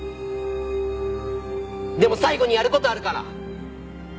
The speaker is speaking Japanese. でも最後にやる事あるから。